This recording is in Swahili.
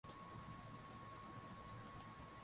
watu wanatengeneza filamu nyingi juu ya ajali ya titanic